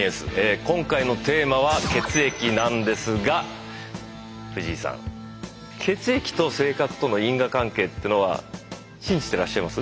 今回のテーマは「血液」なんですが藤井さん血液と性格との因果関係っていうのは信じてらっしゃいます？